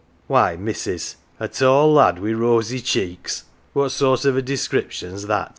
" Why, missus, a tall lad wi 1 rosy cheeks ! What sort of a description's that